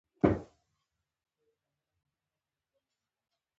شمېرې او ځانګړي توري مه کاروئ!.